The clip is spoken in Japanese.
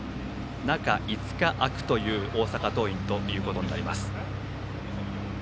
中５日、空くという大阪桐蔭となります。